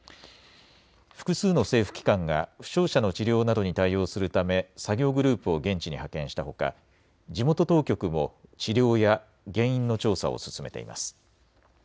複数の政府機関が負傷者の治療などに対応するため作業グループを現地に派遣したほか地元当局も治療や原因の調査を進めています。